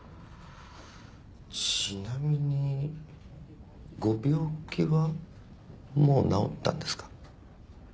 ちなみにご病気はもう治ったんですか？